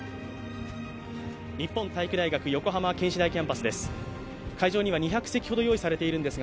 日本体育大学横浜・健志台キャンパスです。